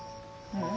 うん。